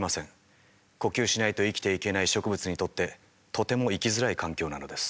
呼吸しないと生きていけない植物にとってとても生きづらい環境なのです。